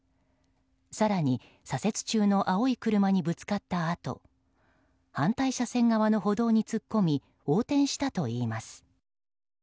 更に、左折中の青い車にぶつかったあと反対車線側の歩道に突っ込み横転したといいます。